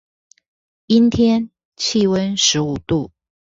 陰天，氣溫十五度